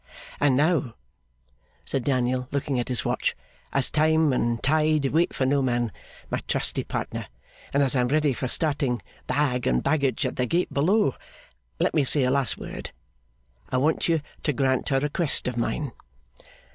'And now,' said Daniel, looking at his watch, 'as time and tide wait for no man, my trusty partner, and as I am ready for starting, bag and baggage, at the gate below, let me say a last word. I want you to grant a request of mine.